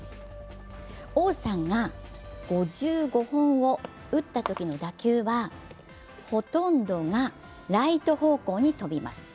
王さんが５５本を打ったときの打球はほとんどがライト方向に飛びます。